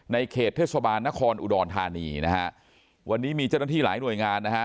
เขตเทศบาลนครอุดรธานีนะฮะวันนี้มีเจ้าหน้าที่หลายหน่วยงานนะฮะ